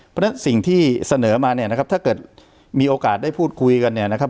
เพราะฉะนั้นสิ่งที่เสนอมาเนี่ยนะครับถ้าเกิดมีโอกาสได้พูดคุยกันเนี่ยนะครับ